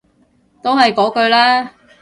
都係嗰句啦